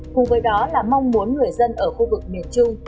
cùng với đó là mong muốn người dân ở khu vực miền trung